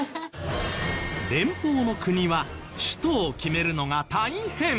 連邦の国は首都を決めるのが大変。